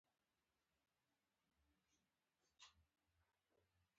ساقي وویل هو دا ډېر ښه نظر دی چې یو څه وڅښو.